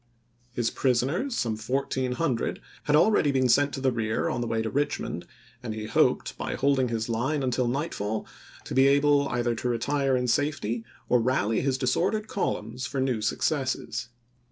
His pris chap. xiv. oners, some fourteen hundred, had already been sent to the rear on the way to Eichmond and he hoped, by holding his line until nightfall, to be able either to retire in safety or rally his disordered columns for new successes.